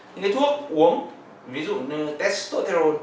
những cái thuốc uống ví dụ như testosterone